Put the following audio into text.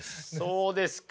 そうですか。